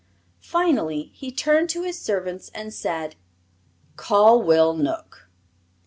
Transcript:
Finally he turned to his servants and said: "Call Will Knook."